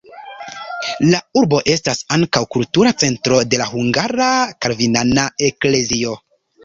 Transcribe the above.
La urbo estas ankaŭ kultura centro de la hungara kalvinana eklezio.